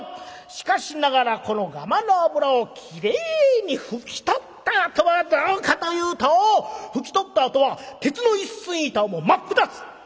しかしながらこのがまの油をきれいに拭き取ったあとはどうかというと拭き取ったあとは鉄の一寸板も真っ二つ！